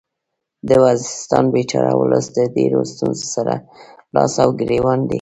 د وزیرستان بیچاره ولس د ډیرو ستونځو سره لاس او ګریوان دی